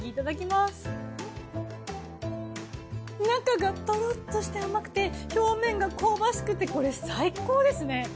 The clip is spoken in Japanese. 中がトロッとして甘くて表面が香ばしくてこれ最高ですね！